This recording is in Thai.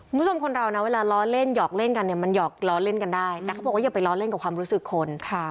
คุณผู้ชมคนเรานะเวลาล้อเล่นหยอกเล่นกันเนี่ยมันหยอกล้อเล่นกันได้แต่เขาบอกว่าอย่าไปล้อเล่นกับความรู้สึกคน